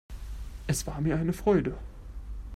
Es war mir eine Freude.